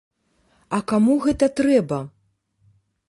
А каму гэта трэба?